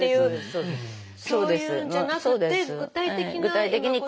そういうんじゃなくて具体的な。